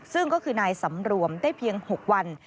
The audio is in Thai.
ซึ่งก็คือนายสำรวมได้เพียง๖วัน